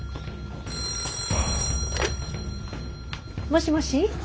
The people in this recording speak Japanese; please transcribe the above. ☎もしもし。